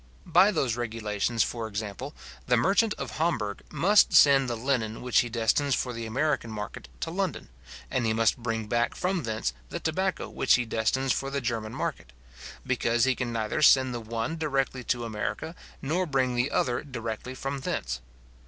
By those regulations, for example, the merchant of Hamburg must send the linen which he destines for the American market to London, and he must bring back from thence the tobacco which he destines for the German market; because he can neither send the one directly to America, nor bring the other directly from thence.